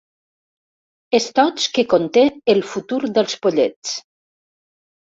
Estoig que conté el futur dels pollets.